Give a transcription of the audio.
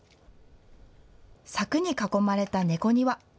柵に囲まれた、ねこ庭。